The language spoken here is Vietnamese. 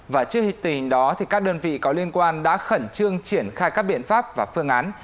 và trước tình hình đó các đơn vị có liên quan đã khẩn trương triển khai các biện pháp và phương án